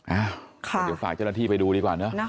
เอ้าแต่จะพาเจ้าที่ไปดูดีกว่าเนอะ